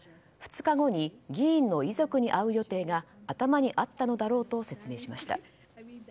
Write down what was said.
２日後に議員の遺族に会う予定が頭にあったのだろうと説明しました。